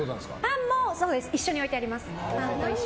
パンも一緒に置いてあります。